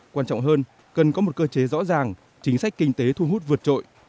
quan trọng hơn cần có một cơ chế rõ ràng chính sách kinh tế thu hút vượt trội